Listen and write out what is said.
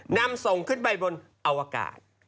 นำส่งขึ้นไปบนอวกาศ